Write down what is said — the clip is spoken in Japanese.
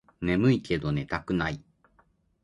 ねむいけど寝たくない